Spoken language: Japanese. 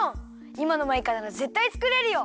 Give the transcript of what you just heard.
いまのマイカならぜったいつくれるよ！